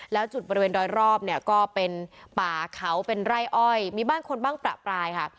แล้วจุดบริเวณดอยรอบเนี่ยก็เป็นป่าเขาเป็นไร่อ้อยมีบ้านคนบ้างประปรายค่ะ